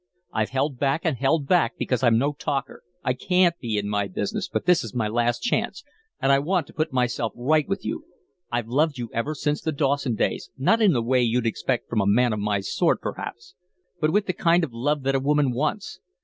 "I've held back and held back because I'm no talker. I can't be, in my business; but this is my last chance, and I want to put myself right with you. I've loved you ever since the Dawson days, not in the way you'd expect from a man of my sort, perhaps, but with the kind of love that a woman wants.